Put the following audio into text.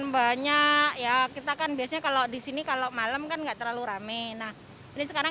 banyak ya kita kan biasanya kalau di sini kalau malam kan enggak terlalu rame nah ini sekarang